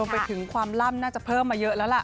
ไปถึงความล่ำน่าจะเพิ่มมาเยอะแล้วล่ะ